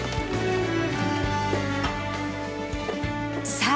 さあ